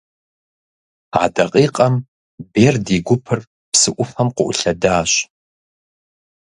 А дакъикъэм Берд и гупыр псы ӏуфэм къыӏулъэдащ.